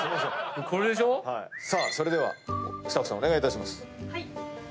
それではスタッフさんお願いします。